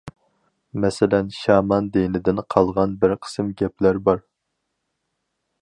مەسىلەن، شامان دىنىدىن قالغان بىر قىسىم گەپلەر بار.